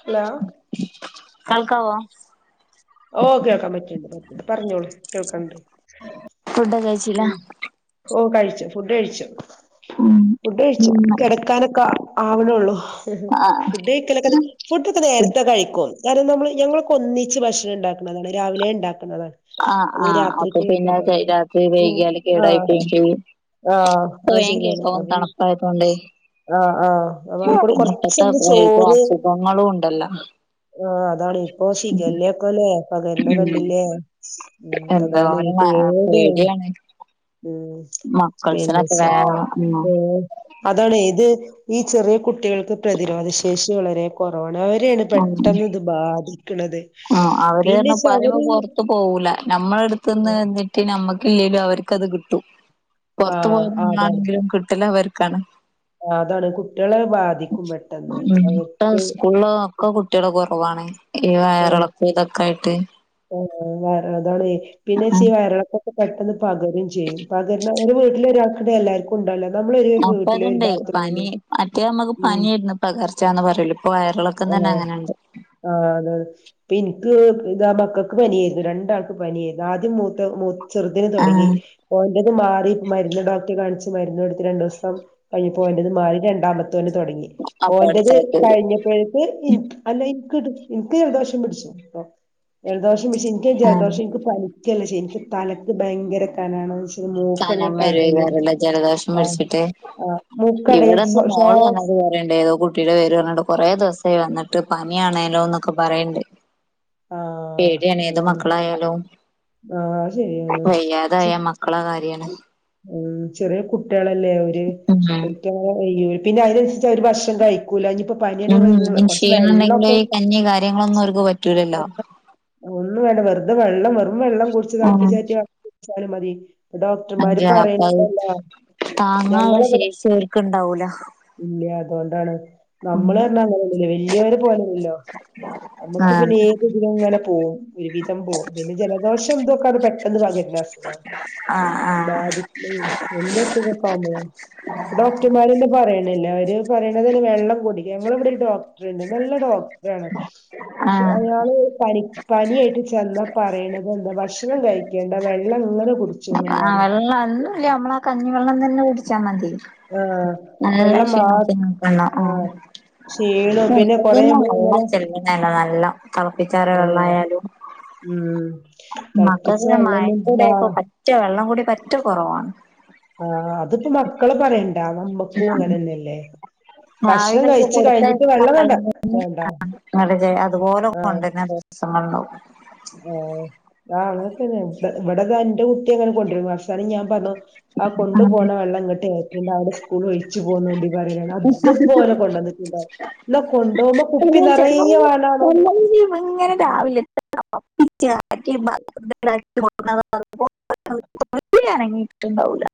Hello കാൾക്കാവോ? ഓ കേക്കാമ്പറ്റ്ണ്ട്. പറഞ്ഞോളു. കേൾക്കണ്ട്. ഉം. ച്ചിലഹ് ഓ കഴിച്ച്. ഫുഡ് കഴിച്ച്. ഫുഡ് കഴിച്ച്. ഉം കെടക്കാനൊക്ക ആ വ്ണെള്ളു. ഹ് ഹെ ആഹ് ഫുഡയ്ക്കലൊക്ക ഫുഡൊക്ക നേരത്ത കയിക്കും. [unintelligible] നമ്മ്ള് ഞങ്ങളൊക്കൊന്നിച്ച് ഭക്ഷണണ്ടാക്ക്ന്നതാണ്. രാവിലേ ണ്ടാ എന്നത്. ആഹ് അന്നീ ആഹ് അപ്പൊ രാത്രിക്കും പിന്നെ രാത്രി [unintelligible] ഉം. വൈകിയാല് കേടായി ആഹ് പോവും ചെയ്യും ആഹ്. ഇപ്പൊ അഅ് വേഗം ശരിയെന്നെ കേടാവും [unintelligible] തണുപ്പായതോണ്ടേ ആഹ് ആഹ് [unintelligible] പിന്നെ ഇപ്പത്തെ കൊർച്ച്‌ന്ന് ഇപ്പ ചോറ് അസുഖങ്ങളും ഉണ്ടല്ലോ ആഹ്. അതാണ്. ഇപ്പൊ ഉം ഷിഗല്ലെയൊക്കല്ലേ പകര്ന്ന ഉം കണ്ടില്ലേ? ഊം. അതാണ്. ആഹ് അ പേടിയാണ് ഊം മക്കൾസിനൊക്കെ വേഗം [unintelligible] ഉം ആ അതാണേത്‌? ഈ ചെറിയ കുട്ടികൾക്ക് പ്രതിരോധശേഷി വളരേ കൊറ വണ്. അവരേണ് പെട്ടെന്ന്ത് ബാധി ഉം. അവര് [unintelligible] പറീമ്പം പൊറത്ത് പോവൂല. ഞമ്മളട്‌ത്ത്ന്ന് നിറ്റ് നമ്മക് [unintelligible] ലു അവര്ക്കത് കിട്ടു. പൊറ്ത്ത് ആഹ് പോയാലും അതാണ് ന്നാണെങ്കിലും ക് ട്ട ലവര്ക്കാണ്. അതാണ് കുട്ടികളെ ബാധിക്കും പെട്ടെന്ന് ട്ട അവർക്ക് സ്കൂള ഒക്കെ കുട്ടിയാള്കുറ പോവാണ്. ആ ആ അതാണെ പിന്നെച്ച് വയർളക്ക പെട്ടെന്ന് പകരും ചെയ്യും പകരുന്ന ഒരു വീട്ടില ഒരാൾക്ക്ണ്ടായ എല്ലാവർക്കും ഉണ്ടാവ അപ്പ അത്ണ്ടായി പനി മറ്റേ നമ്മക്ക് പനിയായിരന്ന് പകർച്ചാന്ന്ന് പറയല് വയറിളക്കം ആഹ തന്നെ അങ്ങനെണ്ട് ആഹ അതാണ് പിനിക്ക് ഇതാ മക്കൾക്ക് പനിയായിരുന്നു. രണ്ടാൾക്ക് പനിയായിരുന്നു. ആദ്യം മൂത്ത മ ചെറുതിന് തുടങ്ങി ആഹ് പോന്റെ ഇത് മാറി മരുന്ന് ഡോക്ടറെ കാണിച്ച് മരുന്ന് എടുത്ത് രണ്ടു ദിവസം കഴിഞ്ഞ് പോകന്റ്ത് മാറി രണ്ടാമത്തെ തുടങ്ങി അപ്പൊ പോന്റത് അടുത്തായിട്ട് വരും കഴിഞ്ഞപ്പോഴേക്ക് ന്ക്ക് അല്ലന്ക്ക് എനിക്ക് ജലദോഷം പിടിച്ചു ജലദോഷം പിച്ചു എനിക്ക ആഹ് ജലദോഷം എനിക്ക് പനി ഒല്ലശക്ക് തലക്ക് ഭയങ്കര കനാണ്. ശെ കനം മൂക്കങ്ങട്ട് അടയും വരക്കാരാല്ലജലദോഷം ആഹ് പിടിച്ചിട്ട് ആഹ് മൂക്കടയും ഇവിടെന്നാ ശ്വാ മോള് ശ്വാസ് വന്നിട്ട് പറയേണ്ടേ ഏതോ കുട്ടിയുടെ പേര് പറഞ്ഞിട്ട് കുറേ ദിവസം എ വന്നിട്ട് പനിയാണേലോന്നൊക്കെ പറയണ്ടേ ആഹ് പേടിണ് ഏത് അതാണ് മക്കളായാലും ആഹ് ശരിയാണ് വയ്യാതായ മക്കളെ കാര്യാണ്. ഉംചെറിയ കുട്ടികളല്ലേ ഓര് ഉം ഒരിക്ക്യ ങ്ങനെ പിന്നെ അതിനനുസരിച്ച് അവര് ഭക്ഷണംകഴൂക്കുല അ പനിയൊക്കെ വെന്ന് ഉം കുറച്ച് ക്ഷീണം വെള്ള ഉണ്ടെങ്കില് ഈ കഞ്ഞി കാര്യങ്ങളൊന്നും അവർക്ക് പറ്റൂലല്ലോ ഒന്നും വേണ്ട വെറുതെ വെള്ളം വെറും വെള്ളം കുടിച്ച് ആഹ് തിളപ്പിച്ചാറ്റി കുടിച്ചാലും മതി. അഞ്ച ഡോക്ടർമാര് അപ്പ അത് പറയണണ്ടല്ലോ, താങ്ങാനുള്ള ശേഷി അവർക്ക് ഇണ്ടാവൂല. ഇല്ല അതുകൊണ്ടാണ് നമ്മള് റഞ്ഞ അങ്ങനെല്ലല്ലൊ വല്യവര് പോലല്ലല്ലോ. നമുക്ക് ആഹ് പിന്നെ ഏത്ദിനലും ഇങ്ങനെ പോവും ഒരുവിധം പോവും പിന്നെ ജലദോഷം ന്തൊക്കെ അ പെട്ടെന്ന് പകരം [unintelligible] സുഖം ആഹ് ആഹ് ബാധിച്ച് വലിയ സുഖക്കുമോം ഡോക്ടർമാര്ന്നെ പറയണില്ല അവര് പറയണതിന് വെള്ളം കുടിക്കുക ഞങ്ങള് എവിടെ ഡോ ടണ്ട് നല്ല ഡോക്ടറാണ് പക്ഷെ ആഹ് അയാള് പ പനിയാട്ട് ചെന്നാ പറയണത് എന്താ ഭക്ഷണം കഴിക്കേണ്ട വെള്ളങ്ങനെ കുടി വെള്ളം ഒന്നുംല്ല നമ്മള ആ കഞ്ഞിവെള്ളം തന്നെ കുടിച്ചാ മതി. ആഹ് നല്ല വെള്ളം മാ ക്ഷീണത്തിനാക്കാണ്ടാകും ആ ആഹ് [unintelligible] ക്ഷീണോം പിന്നെ കൊറേ നമ്മളിങ്ങനെ തിളപ്പിച്ചാറിയ ഏഹ് വെള്ളായാലും ഉം തിളപ്പിച്ച മക്കൾക്ക് മഴ വെള്ളൊന്നും കൂടെ ആ ആപ്പോ പറ്റ വെള്ളം കൂടി പറ്റെ കുറവാണ്. ആഹ അതിപ്പോ മക്കള് പറയണ്ടാ നമ്മക്കും അങ്ങനെന്നെയല്ലേ. രാവിലക്കെ കൊടുത്തായ്ച്ച വേണ്ട ആ അതുപോലെ കൊണ്ടുവര [unintelligible] ആ ആ അങ്ങനെ തന്നെ ഇ ഇവിടെതാ എന്റെ കുട്ടി അങ്ങനെ കൊണ്ടുവരും അവസാനം ഞാൻ പറഞ്ഞു ആ കൊണ്ടു ദിവസങ്ങളുണ്ടാവും പോണ വെള്ളം അങ്ങ്ട്ട് ഏറ്റണ്ട അവിടെ സ്കൂൾ ഒഴിച്ചു പോന്നോണ്ടി. പറയാണ് അതുപോലെ കൊണ്ടുവന്നിട്ടുണ്ടാവും പിന്നെ ചിലപ്പോ വാണാണും മുമ്പോ ഇങ്ങനെ രാവിലെ എ [unintelligible] ട്ട്ണ്ടാവൂല്ല.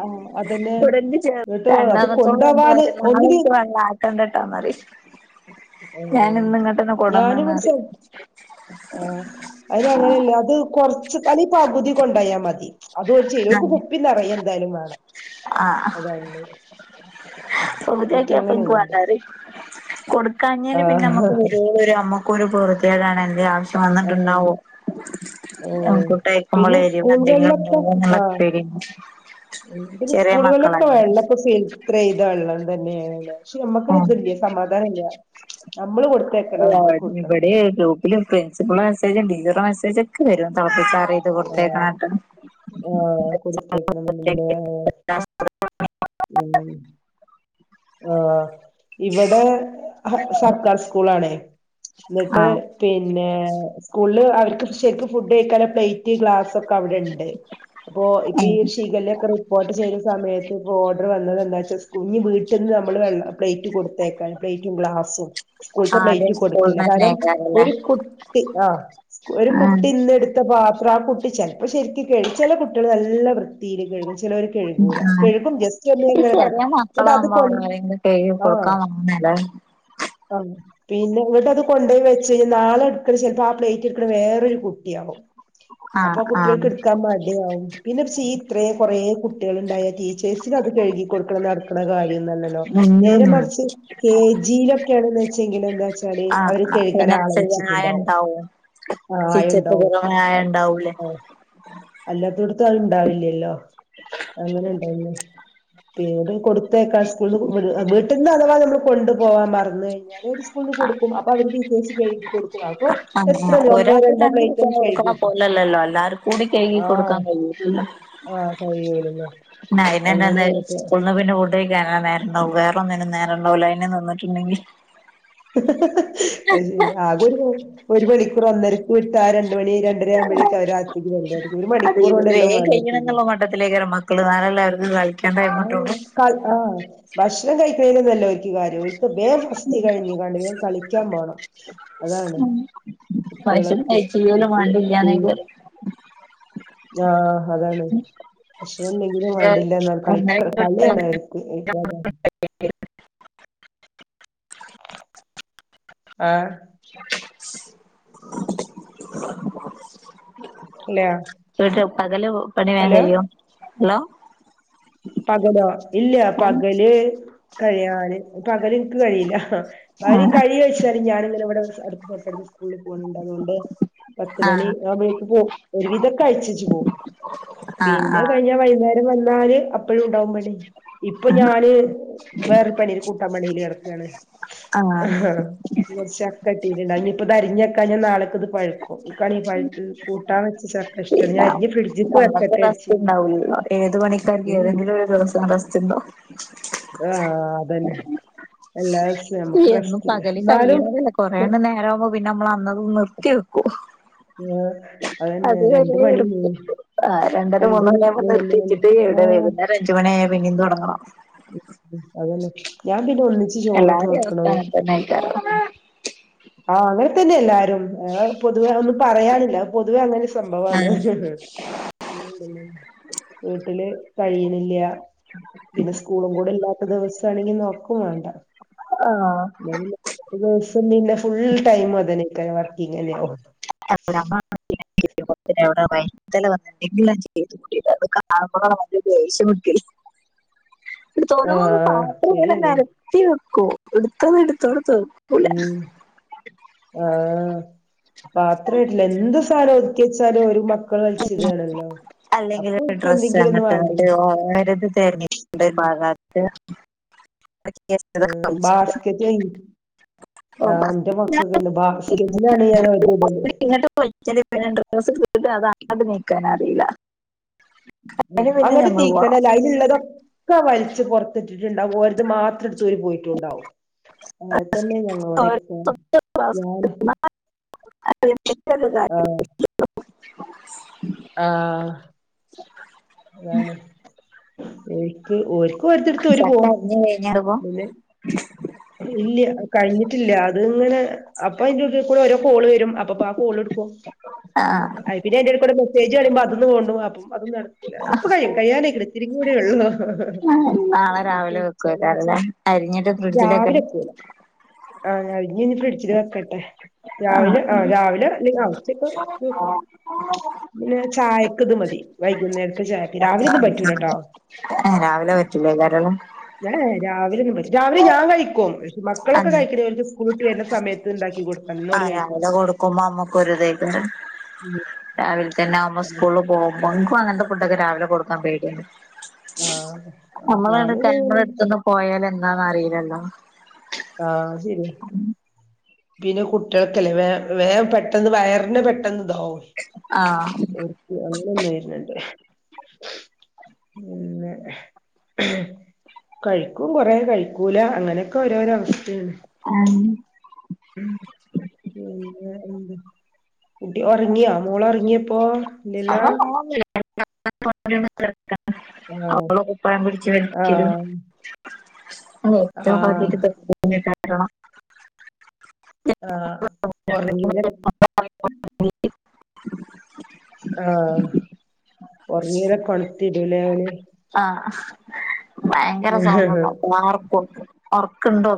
ആഹ് അതന്നെ ഉടനെ ഇന്നട്ടോ ചേർക്കണ്ട അത് എന്നത്തോളൂ എ കൊണ്ടോവാന് കാര്യം ഒന്നിന് നാളെനിക്ക് വ ആക്കണ്ട ന്നറിയും ഞാന ഏഹ് ഇന്ന് ഇങ്ങട്ടന്നെ കൊടന്ന്ക്ണ് പറയും ആ അയ്ന് അങ്ങനെയല്ലേ അത് കൊറച്ച് അല്ല പകുതി കൊണ്ടായാൽ മതി. അതൊ ചെലോല്ക്ക് കുപ്പി നിറയെ എന്തായാലും വേണം. ആ അതാണുള്ളത് ഓൽക്ക് കൊടുത്താപ്പോ എനിക്ക് അങ്ങനെയൊന്നുണ്ട് വണ്ടാറിം കൊടുക്കാഞ്ഞല് പിന്നെ നമ്മുക്ക് ഒരു അമ്മ ഒരു പൂർത്തിയടാണ് എന്റെ ആവശ്യം ആഹ് വന്നിട്ടുണ്ടാവോ ഉം. എകൂട്ട അക്കുമ്പോൾ പിന്നെ എരിവന്തെങ്കിലും ഉണ്ടാവ എന്നുള്ള എതി ചെറിയ സ്കൂളുകളിലൊക്കെ മക്കളല്ലേ വെള്ളമൊക്കെ ഫീൽത്ര ചെയ്ത വെള്ളം തന്നെയാണ് പക്ഷെ നമ്മക്കന് ഉം. ഇതല്ല സമാധാനം ഇല്ല നമ്മള് കൊടുത്തേക്കണം നമ്മക്ക് കൊടുക്കണം പ്രിൻസിപ്പളുടെ മെസേജും ടിച്ചറുടെ മെസേജ ഒക്കെ വരും തിളപ്പി... ഇത് ആ കൊടുത്തക്കണട്ട ആ കൊടുത്തേക്കണെന്നുണ്ടെങ്കില് ഉ ആഹ ഇവിടെ സർക്കാർ സ്കൂളാണേ എന്നിട്ട് ആഹ് പിന്നെ സ്കൂളില് അവർക്ക് ശരിക്കും ഫുഡ് കഴക്കാനുള്ള പ്ലേറ്റ് ഗ്ലാസ് അവിടെണ്ട് അപ്പോ ഇപ്പൊ ഈ ഷിഗലൊക്കെ റിപ്പോർട്ട് ചെയ്ത സമയത്ത് ഇപ്പോ ഓർഡർ വന്നത് എന്താ വെച്ചാ കുഞ്ഞ് വീട്ടിൽ നിന്ന് നമ്മള് വെള്ള പ്ലേറ്റ് കൊടുത്തേക്കാൻ പ്ലേറ്റും ഗലാസും സ്കൂളത്തെ ആദ്യം പ്ലേറ്റ് സ്കൂളിന്ന് കൊടുക്കില്ല കാരണം തന്നെയായിക്കാരല്ലേ ഒരു കുട്ടി ആ ഒരു ആഹ് കുട്ടി ഇന്ന എടുത്ത പാ അത്ര ആ കുട്ടി ചിലപ്പോ ശരിക്കക്ക് ചില കുട്ടികൾ നല്ല വൃത്തിയിൽ കഴുകും ചിലവർ കഴുകൂല കഴുകും ജസ്റ്റ് ഈ എങ്ങനെ ചെറിയ കാട്ടാം എന്നിട്ട് അത് മക്കളാകുമ്പോ കൊ അവിടെ ആരെങ്കിലും കഴുകി ആ കൊടുക്കാൻ വാങ്ങുന്നല്ലേ ആ പിന്നെ ഇങ്ങോട്ട് അത് കൊണ്ടപോയി വെച്ച് കഴിഞ്ഞാൽ നാളെ എടുക്കണ ചിലപ്പോ ആ പ്ലേറ്റ് എടുക്കണ വേറൊരു കുട്ടിയാാവും അപ്പൊ ആഹ് കുട്ടികൾക്ക് ആഹ് എടുക്കാൻ മടി ആകും പിന്നെ ഇത്ര കുറേ കുട്ടികൾുണ്ടായാൽ വിേസിൽ അത് കഴുകി കൊടുക്കണം നടുന്ന കാര്യം ല്ലോ നേരെ മറിച്ച് കെ ജിയിലൊക്കെണ വെച്ചെങ്ക എന്താ വെച്ചാല് ആഹ് അവര് കേ ആഹ് പിന്നെ ചായ വെച്ചിട്ടുണ്ടാവും ഉണ്ടാവും ആ ചിച്ചക്ക് ആയുണ്ടാവും പുറമെ ആയ ഉണ്ടാവൂലേ അല്ലാത്തോടത്ത അത് ഇണ്ടാവില്ലല്ലോ അങ്ങനെ ഇണ്ടാവില്ലേ പിന്നീട് കൊടുത്തേക്കാൾ സ്കൂളന്ന് വീട്ടിൽന്ന് അഥവാ നമ്മൾ കൊണ്ടു പോകവാൻ മറന്ന് കഴിഞ്ഞാൽ ഒരു സ്കൂളിന്ന് കൊടുക്കും അപ്പൊ അവര് ടീച്ചേഴസ് കഴുകി കൊടുക്കും അപ്പൊ എത്രല്ലോ ഒന്നോ രണ്ടോ പ്ലേയിറ്റ് ഒക്കെ കഴുകി വെക്കും പോല്ലല്ലല്ലോ എല്ലാരും കൂടി കഴുകി കൊടുക്കാൻ ആഹ് കഴിയട്ടല്ല ആഹ് കഴിയൂലല്ലേ എന്ന ഇന്ന എന്താന്ന അങ്ങനെയാണ് ഇപ്പൊ സ്കൂളന്ന് പിന്നെ ഓട്ടോയിൽ കയറാൻ നേരം ഉണ്ടാവും വറ.. ന നേരണ്ടാവല അെ നിന്നിട്ടുണ്ടെങ്കിൽ അ ശരി ആകൊ ഒരു ഒരു മണിക്കൂർ ഒന്നരക്ക് വിട്ട ആ രണ്ട് മണി രണ്ടര ആവുമ്പോഴേക്കെ അവത്തി അതെ വേ കൈണങ്ങള മട്ടത്തിലേക്ക മക്കള് ന ആ് ഭക്ഷണം കഴിക്കുന്ന നല്ലോ വേൻ ഫസ്റ്റ് കഴിഞ്ഞ ക വൻ കളിക്കാൻ പോകണം അതാണ് മനുഷ്യന് കുട്ടികളക്ക് അ കഴിച്ചില്ലേലും വേണ്ടില്ലാന്നേക്കാരം ആഹ് അതാണ് ഭക്ഷണം എന്തെങ്കിലും വേണ്ടില്ല നല്ല [inaudible] [inaudible] ആഹ് [unintelligible] അല്ല [unintelligible] പകല് പണി വേഗം ഹലോ കയ്യോ? ഹലോ പകലോ ഇല്ല ആഹ് പകല് കഴിയാന് പകല്നിക്ക് കഴിയില്ല അവര് കഴി വഴച്ചാ ഞാനിങ്ങനെ ഇവിടെ തൊട്ടടുത്ത് സ്കൂളിൽ പോണണ്ട് അതുകൊണ്ട് പത്ത് മണി ആഹ് ആവുമ്പഴേക്ക് പോവും. ഒരു വിധൊക്കെ അയച്ചച്ച് പോകും ആഹ് പിന്നെ കഴിഞ്ഞ ആഹ് വൈകുന്നേരം വന്നാല് അപ്പഴും ഉണ്ടാവും പണി. ഇപ്പൊ ഞാന് വേറെ പണീല് കൂട്ടാൻ പണീല് കെടക്കാണ് ആഹ് കുറച്ചക്കട്ടീട്ട്ണ്ട അതനിയിപ്പരിഞ്ഞക്കാന് നാളെ ഇത് പഴുക്കും. ഇക്കാണെ ഈ പഴുത്ത് കൂട്ടാൻ വെച്ച ചക്ക ഇഷ്ടാണ്. ഞാൻ പിന്നെ അരിഞ്ഞ് ഫ്രിഡ്ജ്ക്ക് നമ്മക്ക് വെക്കട്ടേചാരിച്ച് റെസ്റ്റ് ഇങ്ങനിരിക്കാ ഉണ്ടാവൂലല്ലോ ഏത് പണിക്കാർക്ക് ഏതെങ്കിലും ഒരു ദിവസം റെസ്റ്റ്ണ്ടോ ആഹ് അതന്നെ. എല്ലാ ദിവസ എന്നും പകല് കയ്യണതല്ല കൊറേ എണ്ണം നേരാവുമ്പോ പിന്നെ നമ്മൾ അന്നത് നിർത്തി വെക്കു. അതന്നെ രണ്ട് മണിയന്നെ ആഹ് രണ്ടര മൂന്ന് മണിയാമ്പോ നിർത്തിവെച്ചിട്ട് ഈടെ ആഹ് വൈന്നേരം അഞ്ച് മണിയായ പിന്നേം തൊടങ്ങണം അതന്നെ ഞാൻ പിന്നെ ഒന്നിച്ച് ചോറൊക്കെ എല്ലാരിം വെക്കണോ അവസ്ഥ അങ്ങനെ തന്നെ ആയിക്കാരം ആഹ് അങ്ങനെ തന്നെ എല്ലാരും പൊതുവെ ഒന്ന് പറയാനില്ല പൊതുവെ അങ്ങനെ സംഭവാണ്. വീട്ടില് കഴിയണില്ല. പിന്നെ സ്കൂളും കൂ ല്ലാത്ത ദിവസാണെങ്കി നോക്കും വേണ്ട. [inaudible] ആഹ് പിന്നെന്നാ ഫുൾ ടൈം അതന്നേക്കാരം വർക്കിങ്ങന്നെ ഔ അമ്മ [inaudible] ത്തി അവിടെ വൈതല വന്നിട്ടണ്ടെങ്കിലാം ചെയ്തത് കൂടി അത് കാ വല്ല ദേഷ്യം പിടിക്കല് എടുത്തോരോന്ന് ആഹ് പാത്രം മുഴുവൻ ശരിയാണ് നെരത്തി വെക്കു. എട്ത്തത് എടുത്തോട ഉം. ആഹ്. പാത്രൊട്ടില്ല എന്ത് സാനോ ക്കെച്ചാലും ഒരു മക്കൾ കളിച്ചതാണല്ലോ അല്ലെങ്കിലൊരു ഡ്രസ്സ് അങ്ങൻത്തെണ്ട് ഓളെയൊരിത് തര്ന്നിണ്ട് ഉം പാകാത്ത് ആഹ് ബാസ്ക്കറ്റ് ആഹ് ഇന്റെ മക്കൾക്ക്ണ്ട് ബാസ്ക്കറ്റിലാണ് ഞാൻ ഓൽത് ഇടല് [inaudible] [inaudible] അതാത് നീക്കാനറിയില്ല അങ്ങട്ട് തീക്കനലാ. അയ്ല്ള്ളതൊക്കെ വലിച്ച് പൊറത്തിട്ട്ട്ടുണ്ടാവും ഓരത് മാത്രം എട് പുത്തൂര് പോയിട്ടുണ്ടാവും. അങ്ങനെ തന്നെ ഞങ്ങളോടെക്കെ. ഞാന് [inaudible] ആഹ് ഉ അതാണ്. ഓരിക്ക് ഓരി ഓരതെട്ത്ത് ഓര് ചക്ക പോവും. അരിഞ്ഞു കഴിഞ്ഞപ്പോ പിന്നെ ഇല്ല കഴിഞ്ഞിട്ടില്ല. അത് ഇങ്ങനെ അപ്പ അതിന്റെടെ കൂടെ ഓരോ കോള് വരും അപ്പപ്പോ ആ കോളെടുക്കും. ആ അതീ പിന്നെ അയിന്റെടേക്കൂടെ മെസ്സേജ് കാണുമ്പോ അതൊന്ന് തോണ്ടും. അപ്പം അതും നടക്കൂല. ഇതിപ്പം കഴിയും കഴിയാനായിക്ക്ണ്. ഇത്തിരീം കൂടെയേ ഉള്ളു നാളെ രാവിലെ വെക്കുവോ കറല? അരിഞ്ഞിട്ട് ഫിഡജില് വെക്കലാ? ആ അരിഞ്ഞെനി ഫ്രിഡ്ജില് വെക്കട്ടെ രാവിലെ ആ രാവിലെ ഇനി ആ പൊലച്ചക്ക് വെക്കും പിന്നെ ചായക്കിത് മതി വൈകുന്നേരത്തെ ചായക്ക്. രാവിലെ ഒന്നും പറ്റൂലട്ടോ ആ രാവിലെ ഉം. പറ്റൂലേക്കാരല്ലേ ഇവിടെ രാവിലെ എന്നും വരും. രാവിലെ ഞാൻ കഴിക്കും ആ. മക്കളൊക്കെ കഴിക്കണ ഓൽക്ക് സ്കൂൾ വിട്ട് വരുന്ന സമയത്ത് ഇണ്ടാക്കി കൊടുത്താ ഇന്ന ആ ഓല് കഴിക്കും രാവിലെ കൊടുക്കുമ്പോ അമ്മക്കൊരിതേക്കണ്ട് രാവിൽ തന്നെ ആവുമ്പോ സ്കൂളിൽ പോകുമ്പോ ഇൻക്കു അങ്ങനത്തെ ഫുഡ്ഡൊക്കെ രാവിലെ കൊടുക്കാൻ പേടിയ്ണ്ട് ആഹ് നമ്മളാണ് ഞാനിത് കയ്മ്മളട്ത്ത്ന്ന് പോയാൽ എന്താന്നറിയില്ലല്ലോ ആഹ് ശരിയാ പിന്നെ കുട്ടികൾക്കല്ലേ വേ വേം പെട്ടെന്ന് വയറിന പെട്ടെന്ന് ഹാവു [inaudible] ആ അങ്ങനെൊന്നും വരുന്നുണ്ട്േ പിന്നെ കഴിക്കും കൊറേ കഴിക്കൂല അങ്ങനെയൊക്കെ ഓരോരോ അവസ്ഥേണ് ആം പിന്നെ കുട്ടി ഉറങ്ങിയോ മോളൊറങ്ങിയപ്പോൊ ആഹ് ആന്ന് [unintelligible] ആഹ് അവള കുപ്പായം പിടിച്ചു വരിക്കലും ആഹ് അ ഏറ്റവും ആഹ് [unintelligible] ആഹ ഒറങ്ങിലെ [unintelligible] ആഹ് ഉറങ്ങീലെ കൊണുത്തി ഇടൂലേ ഓന് ആഹ് ഭയങ്കര സന്തോഷാ ആർക്കും ഒർക്കുണ്ടോ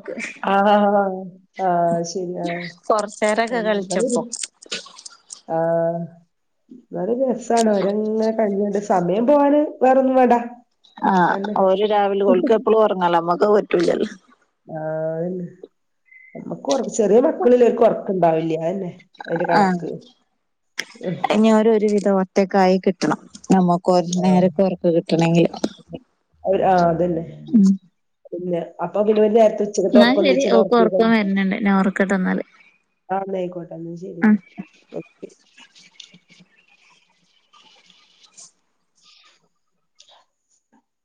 ആഹ് ആഹ് ആ ശരി ആ കൊറച്ചേരൊക്കെ ന്നാ ശരി കളിച്ചപ്പോ ആഹ ഇവടെ രസമാണ് അവരങ്ങനെ കഴിഞ്ഞണ്ട് സമയം പോവാാന് വേറൊന്നും വടാ ആഹ ഓര് രാവിലെ ഓളക്ക് എപ്പളും ഉറങ്ങാല നമ്മക്ക് അത് പറ്റൂലല്ലോ ആഹെ നമ്മക്ക് ചെറിയ മക്കളിലർക്ക് ഉറക്കുണ്ടാവില്ല അയെന്നെ ആഹ ഇനി ഓര് ഒരു വിധം ഒറ്റക്കായി കിട്ടണം നമ്മക്ക് ഒരു നേരക്ക ഉറക്ക കിട്ടണെങ്കില് അര് ആഹ അതന്നെ ഉം പിന്നെ അപ്പൊ പിന്നെ ഒര് നേരത്തെ ഉച്ചക്കത്തെ ഇന്നാ ഉർക്കം ശരി ഒന്നിച്ച ഓക്ക് ഒറക്കം ഒർങ്ങീകയിഞ് വര്ന്ണ്ട് ഞാൻ ഒറക്കട്ടെ ഇന്നാല് ആന്നയിക്കോട്ടെ ന്ന ശരി ഉം